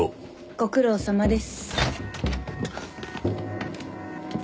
ご苦労さまです。